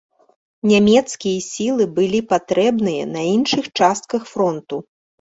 Нямецкія сілы былі патрэбныя на іншых частках фронту.